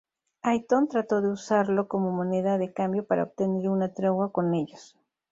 Haitón trató de usarlo como moneda de cambio para obtener una tregua con ellos.